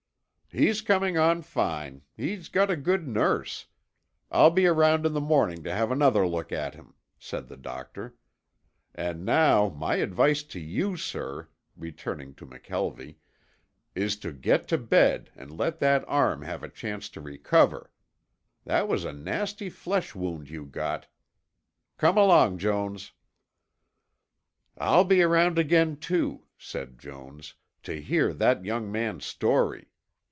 "He's coming on fine. He's got a good nurse. I'll be around in the morning to have another look at him," said the doctor. "And now my advice to you, sir," turning to McKelvie, "is to get to bed and let that arm have a chance to recover. That was a nasty flesh wound you got. Come along, Jones." "I'll be around again, too," said Jones, "to hear that young man's story.